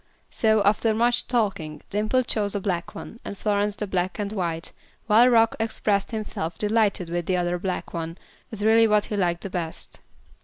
So, after much talking, Dimple chose a black one, and Florence the black and white, while Rock expressed himself delighted with the other black one as really what he liked the best.